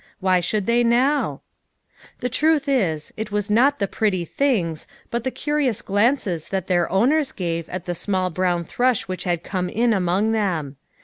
Why should they now ? The truth is, it was not the pretty things, but the curious glances that their owners gave at the A SABBATH TO EEMEMBEB. 147 small brown thrush which had come in among them.